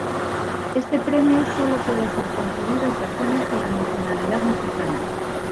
Este premio solo puede ser concedido a personas con la nacionalidad mexicana.